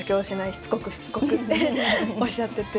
「しつこくしつこく」っておっしゃってて。